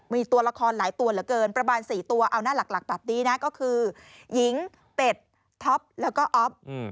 มีตัวละครหลายตัวเหลือเกินประมาณ๔ตัวเอาหน้าหลักแบบนี้นะก็คือหญิงเป็ดท็อปแล้วก็อ๊อฟ